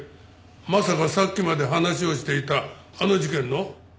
まさかさっきまで話をしていたあの事件の？